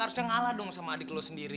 lo harusnya ngalah dong sama adik lo sendiri